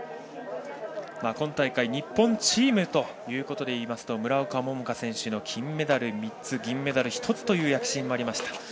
今大会、日本チームということでいいますと村岡桃佳選手の金メダル３つ銀メダル１つという躍進もありました。